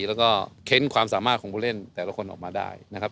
แล้วก็เค้นความสามารถของผู้เล่นแต่ละคนออกมาได้นะครับ